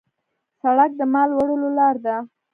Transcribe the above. سړک د مال وړلو لار ده.